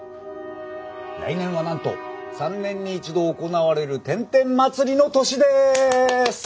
来年はなんと３年に一度行われる天天祭りの年です！